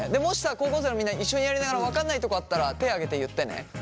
高校生のみんな一緒にやりながら分かんないとこあったら手挙げて言ってね。